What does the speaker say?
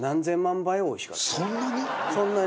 そんなに？